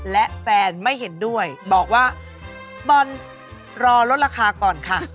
และแฟนไม่เห็นด้วยบอกว่าบอลรอลดราคาก่อนค่ะ